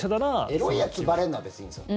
エロいやつばれるのは別にいいんですよ。